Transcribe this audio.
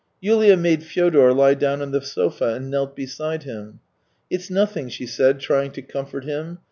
Yulia made Fyodor lie down on the sofa and knelt beside him. " It's nothing," she said, trying to comfort him.